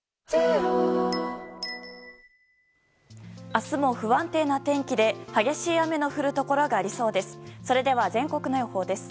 明日も、不安定な天気で激しい雨の降るところがありそうです。